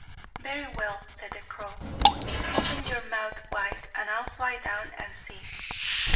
"Very well," said the crow, "open your mouth wide, and I'll fly down and see."